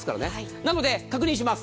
なので、確認します。